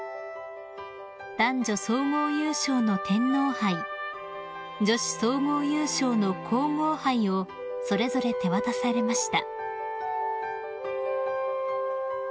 ［男女総合優勝の天皇杯女子総合優勝の皇后杯をそれぞれ手渡されました］